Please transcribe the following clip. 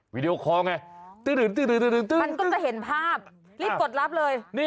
วิดีโอคอร์ไงตื่นมันก็จะเห็นภาพรีบกดรับเลย